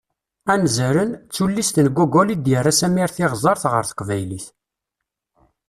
"Anzaren", d tullist n Gogol i d-yerra Samir Tiɣzert ɣer teqbaylit.